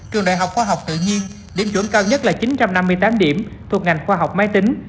trường đại học khoa học tự nhiên điểm chuẩn cao nhất là chín trăm năm mươi tám điểm thuộc ngành khoa học máy tính